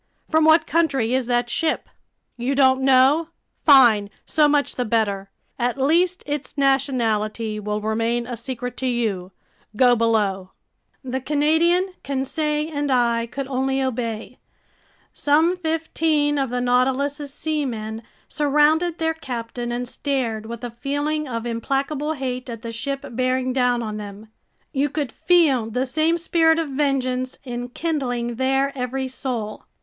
"From what country is that ship?" "You don't know? Fine, so much the better! At least its nationality will remain a secret to you. Go below!" The Canadian, Conseil, and I could only obey. Some fifteen of the Nautilus's seamen surrounded their captain and stared with a feeling of implacable hate at the ship bearing down on them. You could feel the same spirit of vengeance enkindling their every soul.